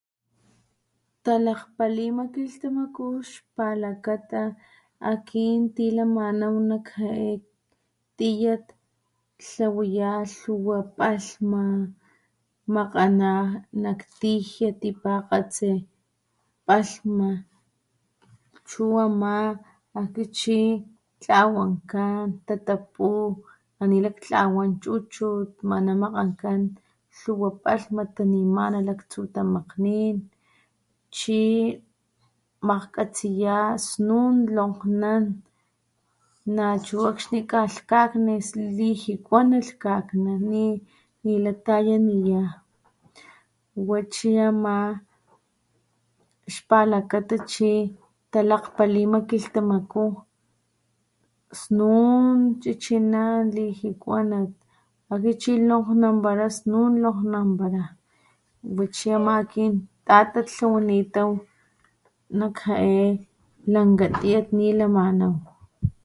Talakgpalima kilhtamaku xpalakata akin tilamanaw nak jae tiyat tlawaya lhuwa palhma makgana nak tijia palhma chu ama akxni chi tlawankan tatapu ana ni laktlawan chuchut chi makgankan lhuwapalhma tanimana laktsu tamakgnin chi makgkgatsiya lijikuanat lhakaknan nila tayaniya xpalakata talakgpalima kilhtamaku snun chichinan lijikuanat snun lokgnanpala wati tatat tlawanitaw nak jae lanka tiyat ana ni lamanaw